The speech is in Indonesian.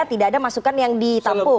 tidak ada masukan yang ditampung